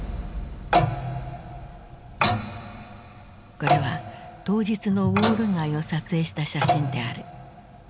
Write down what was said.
これは当日のウォール街を撮影した写真である。